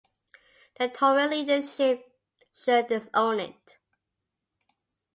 The Tory leadership should disown it.